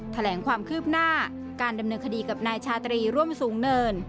แถลงความคืบหน้าการดำเนินคดีกับนายชาตรีร่วมสูงเนิน